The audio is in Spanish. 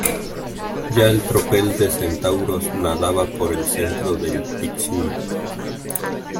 ya el tropel de centauros nadaba por el centro del Tixul